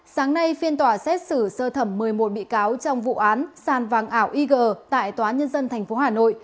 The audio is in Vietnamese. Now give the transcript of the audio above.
sáng nay phiên tòa xét xử sơ thẩm một mươi một bị cáo trong vụ án sàn vàng ảo ig tại tòa nhân dân tp hà nội